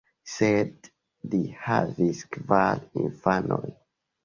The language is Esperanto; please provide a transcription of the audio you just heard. Sed li havis kvar infanon.